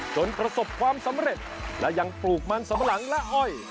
ประสบความสำเร็จและยังปลูกมันสำปะหลังและอ้อย